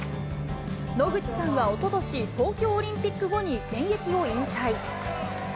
野口さんはおととし、東京オリンピック後に現役を引退。